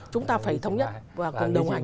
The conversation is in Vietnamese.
chúng ta phải thống nhất và cùng đồng hành